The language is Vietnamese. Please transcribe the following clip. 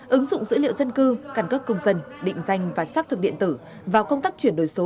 ứng dụng dữ liệu dân cư căn cước công dân định danh và xác thực điện tử vào công tác chuyển đổi số